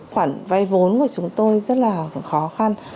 khoản vay vốn của chúng tôi rất là khó khăn